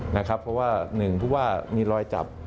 เพราะว่าหนึ่งผู้ว่ามีรอยจับ